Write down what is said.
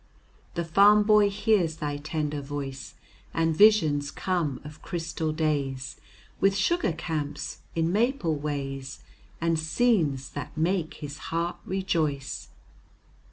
The farm boy hears thy tender voice, And visions come of crystal days, With sugar camps in maple ways, And scenes that make his heart rejoice.